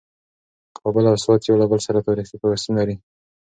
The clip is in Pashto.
کابل او سوات یو له بل سره تاریخي پیوستون لري.